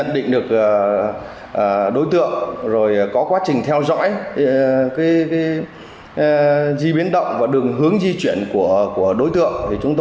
để kiểm soát đối tượng